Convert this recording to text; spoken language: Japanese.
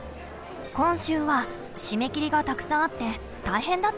今週は締め切りがたくさんあって大変だったんだよね。